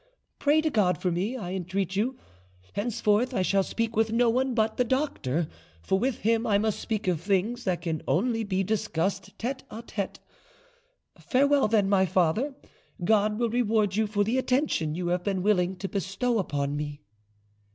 Pray to God for me, I entreat you; henceforth I shall speak with no one but the doctor, for with him I must speak of things that can only be discussed tete a tete. Farewell, then, my father; God will reward you for the attention you have been willing to bestow upon me."